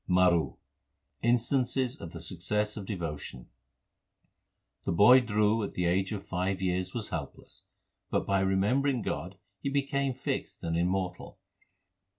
MARU Instances of the success of devotion : The boy Dhru at the age of five years was helpless, but by remembering God he became fixed and immortal.